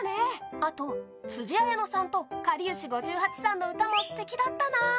あと、つじあやのさんとかりゆし５８さんの歌もすてきだったね。